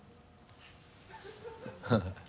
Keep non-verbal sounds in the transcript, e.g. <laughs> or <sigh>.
ハハハ <laughs>